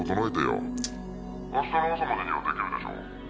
「明日の朝までには出来るでしょう？」